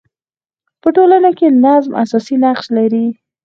په ټولنه کي نظم اساسي نقش لري.